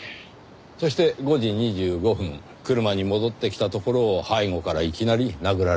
そして５時２５分車に戻ってきたところを背後からいきなり殴られた。